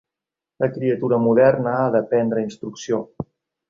La criatura moderna, ha de prendre instrucció